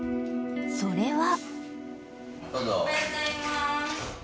［それは］